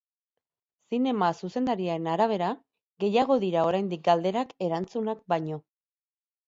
Zinema zuzendariaren arabera, gehiago dira oraindik galderak erantzunak baino.